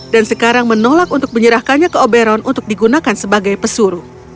dan sekarang menolak untuk menyerahkannya ke oberon untuk digunakan sebagai pesuru